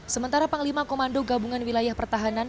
sementara panglima komando gabungan wilayah pertahanan